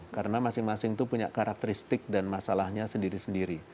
karena masing masing itu punya karakteristik dan masalahnya sendiri sendiri